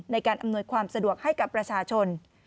ในการอำนวยความสะดวกให้กับประชาชน